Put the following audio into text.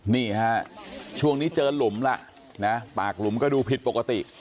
นี่ฮะช่วงนี้เจอหลุมแล้วนะปากหลุมก็ดูผิดปกติ